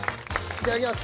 いただきます！